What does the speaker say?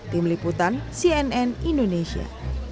tim liputan cnn indonesia